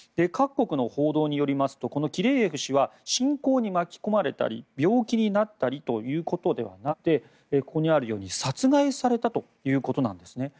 各国の報道によりますとこのキレーエフ氏は侵攻に巻き込まれたり病気になったりということではなくてここにあるように殺害されたということなんです。